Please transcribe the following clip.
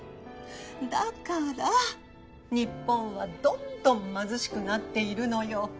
だから日本はどんどん貧しくなっているのよ。